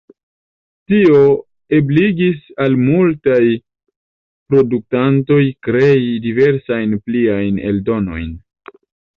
Tio ebligis al multaj produktantoj krei diversajn pliajn eldonojn.